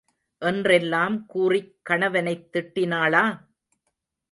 என்றெல்லாம் கூறிக் கணவனைத் திட்டினாளா?